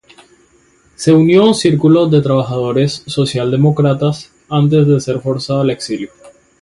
Se unió a un círculo de trabajadores socialdemócratas antes de ser forzado al exilio.